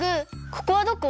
ここはどこ？